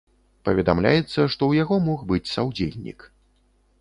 Паведамляецца, што ў яго мог быць саўдзельнік.